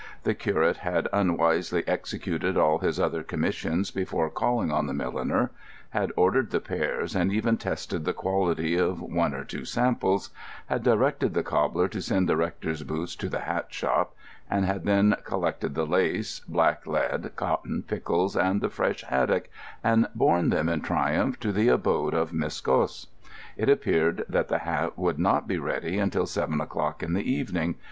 The curate had unwisely executed all his other commissions before calling on the milliner: had ordered the pears, and even tested the quality of one or two samples; had directed the cobbler to send the rector's boots to the hat shop; and had then collected the lace, black lead, cotton, pickles, and the fresh haddock, and borne them in triumph to the abode of Miss Gosse. It appeared that the hat would not be ready until seven o'clock in the evening.